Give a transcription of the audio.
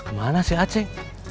kemana si aceh